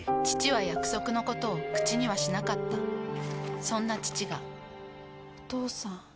父は約束のことを口にはしなかったそんな父がお父さん。